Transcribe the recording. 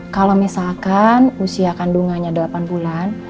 kalau misalkan usia kandungannya delapan bulan